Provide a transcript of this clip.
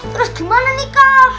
terus gimana nih kak